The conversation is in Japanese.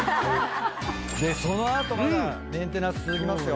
その後まだメンテナンス続きますよ。